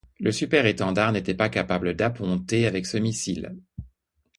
Le Super-Étendard n'était pas capable d'apponter avec ce missile.